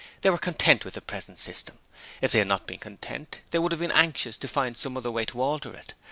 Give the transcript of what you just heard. They were content with the present system. If they had not been content they would have been anxious to find some way to alter it.